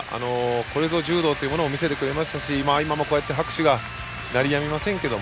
これぞ柔道というものを見せてくれましたし今も拍手が鳴り止みませんが。